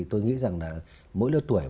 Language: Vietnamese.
tôi nghĩ rằng là mỗi lứa tuổi